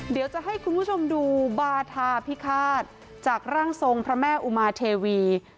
เดี๋ยวจะให้คุณผู้ชมดูบาธาพิฆาตจากร่างทรงพระแม่อุมาเทวี